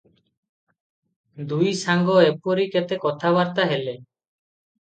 ଦୁଇସାଙ୍ଗ ଏପରି କେତେ କଥାବାର୍ତ୍ତା ହେଲେ ।